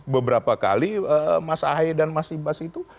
beberapa kali mas ahaye dan mas ibas itu